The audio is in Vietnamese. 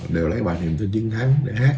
đều lấy bài niềm tin chiến thắng để hát